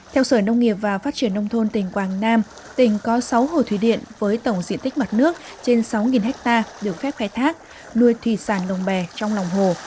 theo sở nông nghiệp và phát triển nông thôn tỉnh quảng nam tỉnh có sáu hồ thủy điện với tổng diện tích mặt nước trên sáu ha được phép khai thác nuôi thủy sản lồng bè trong lòng hồ